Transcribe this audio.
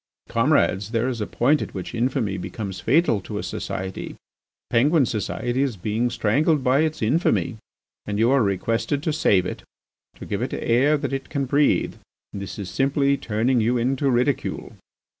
"Comrades, there is a point at which infamy becomes fatal to a society. Penguin society is being strangled by its infamy, and you are requested to save it, to give it air that it can breathe. This is simply turning you into ridicule.